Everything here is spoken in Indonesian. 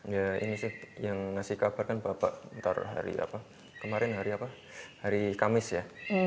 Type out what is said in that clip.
ya ini sih yang ngasih kabar kan bapak ntar hari apa kemarin hari apa hari kamis ya